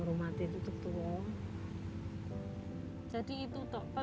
terima kasih tidak anlam mengelola